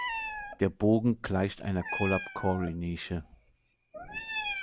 Der Bogen gleicht einer Colab-Cory-Nische.